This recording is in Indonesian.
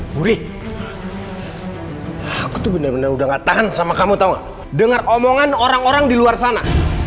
gurih aku tuh bener bener udah gak tahan sama kamu tahu dengar omongan orang orang di luar sana